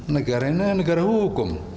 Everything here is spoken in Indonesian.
negara ini negara hukum